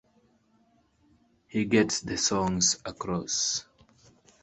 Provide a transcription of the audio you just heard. He gets the songs across.